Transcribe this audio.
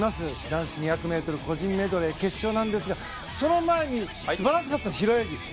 男子２００ｍ個人メドレー決勝なんですがその前に素晴らしかったです